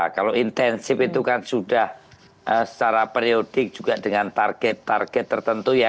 kalau intensif itu kan sudah secara periodik juga dengan target target tertentu ya